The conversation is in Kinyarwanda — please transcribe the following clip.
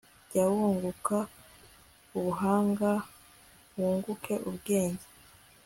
jya wunguka ubuhanga, wunguke ubwenge